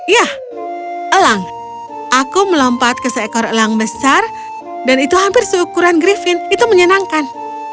ya elang aku melompat ke seekor elang besar dan itu hampir seukuran grifin itu menyenangkan